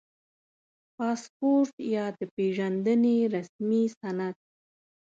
• پاسپورټ یا د پېژندنې رسمي سند